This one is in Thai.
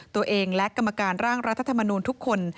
ตัวเองและกรรมการร่างรัฐธรรมนูลทุกคน